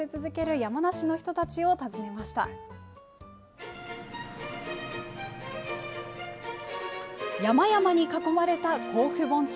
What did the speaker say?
山々に囲まれた甲府盆地。